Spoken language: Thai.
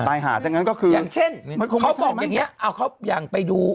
ไปหาดังนั้นก็คืออย่างเช่นเขาบอกอย่างเงี้เอาเขาอย่างไปดู